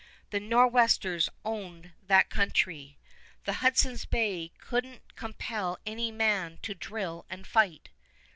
"The Nor'westers owned that country." "The Hudson's Bay could n't compel any man to drill and fight."